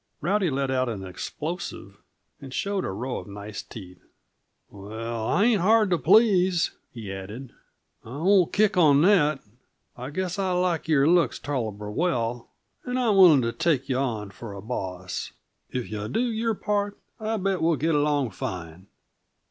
Rowdy let out an explosive, and showed a row of nice teeth. "Well, I ain't hard to please," he added. "I won't kick on that, I guess. I like your looks tolerable well, and I'm willing to take yuh on for a boss. If yuh do your part, I bet we'll get along fine."